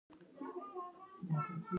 عمل کول هغه دي چې پلان مو کړي.